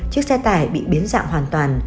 chiếc xe tải bị biến dạng hoàn toàn